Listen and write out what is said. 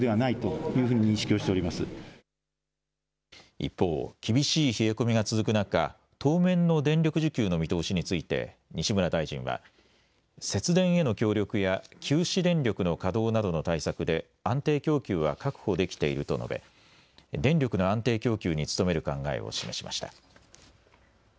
一方、厳しい冷え込みが続く中、当面の電力需給の見通しについて西村大臣は節電への協力や休止電力の稼働などの対策で安定供給は確保できていると述べ電力の安定供給に努める考えを示しました。